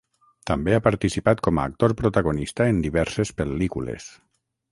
També ha participat com a actor protagonista en diverses pel·lícules.